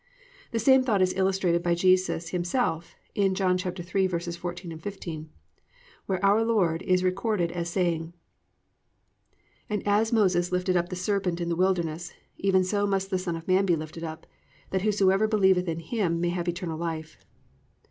The same thought is illustrated by Jesus Himself in John 3:14, 15, where our Lord Jesus is recorded as saying, +"And as Moses lifted up the serpent in the wilderness, even so must the Son of man be lifted up; that whosoever believeth in Him may have eternal life."